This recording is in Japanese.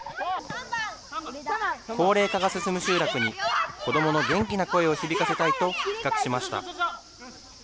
高齢化が進む集落に子どもの元気な声を響かせたいと企画しました。